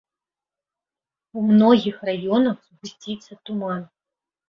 У многіх раёнах згусціцца туман.